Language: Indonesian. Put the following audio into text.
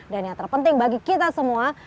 dan yang terpenting bagi kita semua